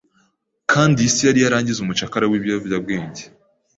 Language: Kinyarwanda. kandi iy isi yari yarangize umucakara w’ ibiyobyabwenge,